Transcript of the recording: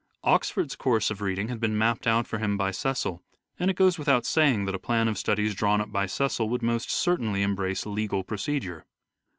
Oxford's course of reading had been mapped out for him by Cecil, and it goes without saying that a plan of studies drawn up by Cecil would most certainly embrace legal procedure.